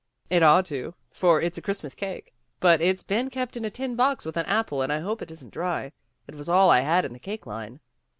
"It ought to, for it's a Christmas cake, but it's been kept in a tin box with an apple and I hope it isn't dry. It was all I had in the cake line."